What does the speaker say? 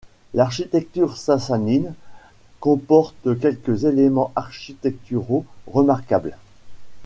L'architecture sassanide comporte quelques éléments architecturaux remarquables.